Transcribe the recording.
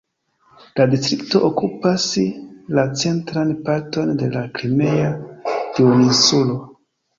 La distrikto okupas la centran parton de la Krimea duoninsulo.